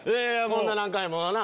こんな何回もはな。